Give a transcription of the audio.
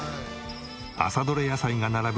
朝採れ野菜が並ぶ